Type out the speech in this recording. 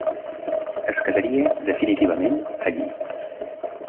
Es quedaria definitivament allí.